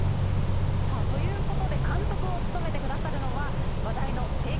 さあということで監督を務めてくださるのは話題のフェイク